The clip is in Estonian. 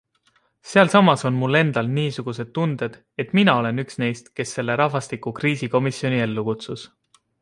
Sealsamas on mul endal niisugused tunded, et mina olen üks neist, kes selle rahvastikukriisi komisjoni ellu kutsus...